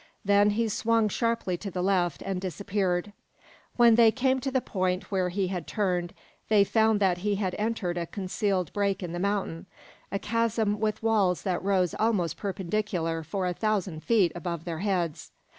Then he swung sharply to the left, and disappeared. When they came to the point where he had turned they found that he had entered a concealed break in the mountain a chasm with walls that rose almost perpendicular for a thousand feet above their heads.